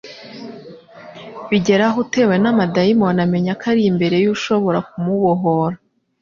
Bigeraho utewe na dayimoni amenya ko ari imbere y'Ushobora kumubohora;